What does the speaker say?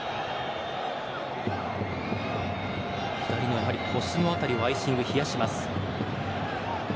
やはり、左の腰の辺りをアイシング、冷やします。